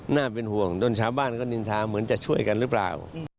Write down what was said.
น่าเป็นห่วงจนชาวบ้านก็นินทาเหมือนจะช่วยกันหรือเปล่า